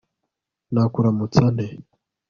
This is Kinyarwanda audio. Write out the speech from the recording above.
nakuramutsa nte